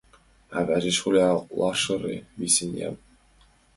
— Аваже, шола ларыште висе-ян.